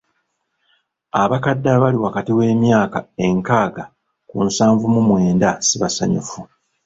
Abakadde abali wakati w'emyaka enkaaga ku nsanvu mu mwenda si basanyufu.